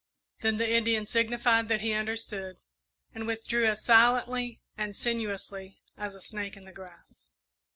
Then the Indian signified that he understood, and withdrew as silently and as sinuously as a snake in the grass.